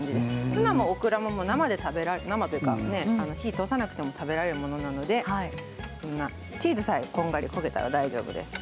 ツナもオクラも生で生というか火を通さなくても食べられるのでチーズさえこんがり溶けたら大丈夫です。